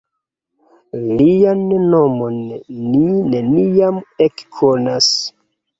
Lian nomon ni neniam ekkonas.